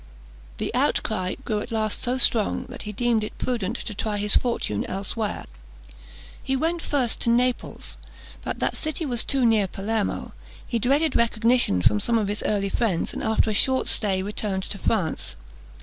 The outcry grew at last so strong, that he deemed it prudent to try his fortune elsewhere. He went first to Naples, but that city was too near Palermo; he dreaded recognition from some of his early friends, and, after a short stay, returned to France.